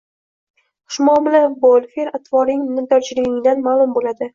Xushmuomala bo‘l, fe’l-atvoring minnatdorchiligingdan ma’lum bo‘ladi.